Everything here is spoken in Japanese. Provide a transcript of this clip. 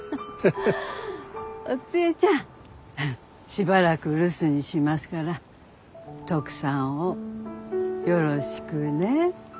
しばらく留守にしますからトクさんをよろしくね。